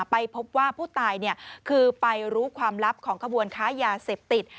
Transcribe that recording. ไปพบว่าผู้ตายคือไปรู้ความลับของขบวนค้ายาเสพติด